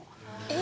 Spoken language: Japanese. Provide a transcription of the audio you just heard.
え。